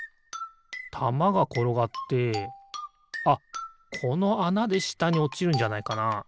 たまがころがってあっこのあなでしたにおちるんじゃないかな？